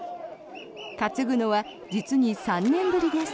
担ぐのは実に３年ぶりです。